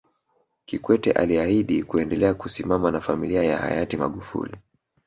Kikwete aliahidi kuendelea kusimama na familia ya Hayati Magufuli